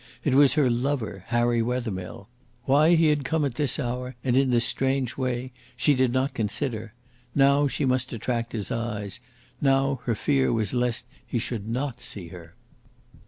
It was her lover, Harry Wethermill. Why he had come at this hour, and in this strange way, she did not consider. Now she must attract his eyes, now her fear was lest he should not see her.